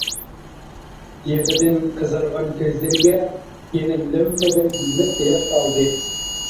يىغىدىن قىزارغان كۆزلىرىگە يەنە لۆممىدە لىق ياش ئالدى.